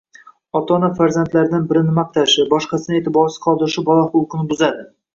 Ota-ona farzandlaridan birini maqtashi, boshqasini e’tiborsiz qoldirishi bola xulqini buzadi.